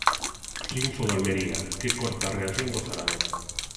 Triunfo do Almería, que corta a reacción do Zaragoza.